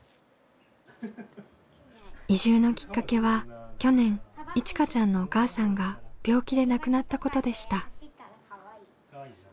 移住のきっかけは去年いちかちゃんのお母さんが病気で亡くなったことでした。